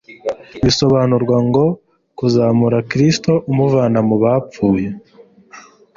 Bisobanurwa ngo : Kuzamura Kristo umuvana mu bapfuye....